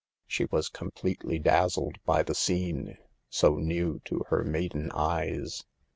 She was completely dazzled by the scene, so new to her maiden eyes.